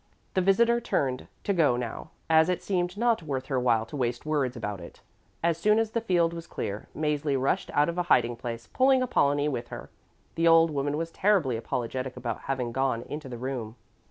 The visitor turned to go now, as it seemed not worth her while to waste words about it. As soon as the field was clear, Mäzli rushed out of a hiding place, pulling Apollonie with her. The old woman was terribly apologetic about having gone into the room.